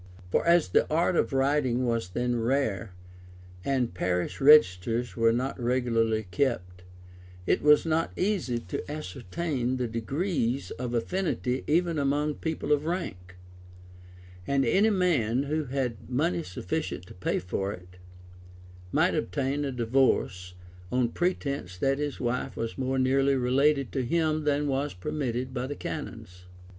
For as the art of writing was then rare, and parish registers were not regularly kept, it was not easy to ascertain the degrees of affinity even among people of rank; and any man, who had money sufficient to pay for it, might obtain a divorce, on pretence that his wife was more nearly related to him than was permitted by the canons.